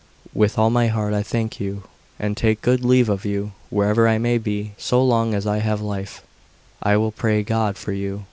With all my heart I thank you, and take good leave of you; wherever I may be, so long as I have life, I will pray God for you."